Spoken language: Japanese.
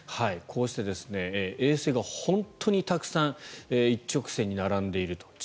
こうした衛星が本当にたくさん一直線に並んでいると。